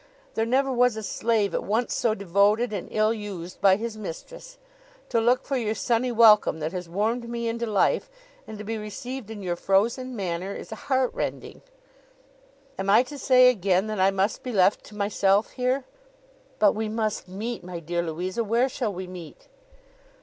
There never was a slave at once so devoted and ill used by his mistress. To look for your sunny welcome that has warmed me into life, and to be received in your frozen manner, is heart rending.' 'Am I to say again, that I must be left to myself here?' 'But we must meet, my dear Louisa. Where shall we meet?